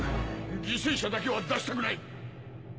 犠牲者だけは出したくない！